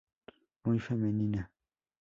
Muy femenina.